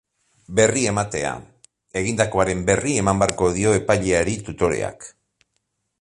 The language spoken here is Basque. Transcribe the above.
Berri ematea: Egindakoaren berri eman beharko dio epaileari tutoreak.